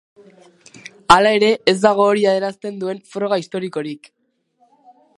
Hala ere, ez dago hori adierazten duen froga historikorik.